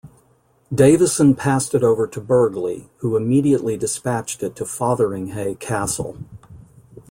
Davison passed it over to Burghley, who immediately dispatched it to Fotheringhay Castle.